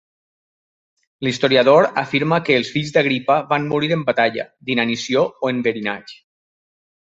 L'historiador afirma que els fills d'Agripa van morir en batalla, d'inanició o enverinats.